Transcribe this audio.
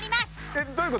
えっどういう事？